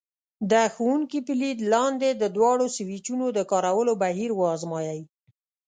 د ښوونکي په لید لاندې د دواړو سویچونو د کارولو بهیر وازمایئ.